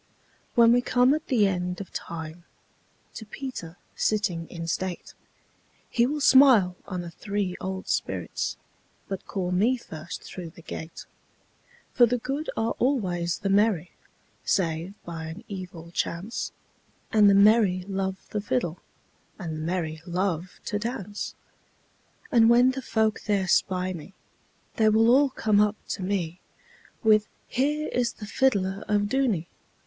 When we come at the end of time, To Peter sitting in state, He will smile on the three old spirits, But call me first through the gate; For the good are always the merry, Save by an evil chance, And the merry love the fiddleAnd the merry love to dance:And when the folk there spy me, They will all come up to me, With 'Here is the fiddler of Dooney!